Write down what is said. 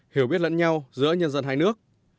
hiểu biết lẫn nhau giữa nhân dân hai nước